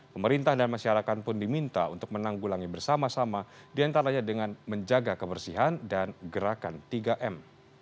pemerintah dan masyarakat pun diminta untuk menanggulangi bersama sama diantaranya dengan menjaga kebersihan dan gerakan tiga m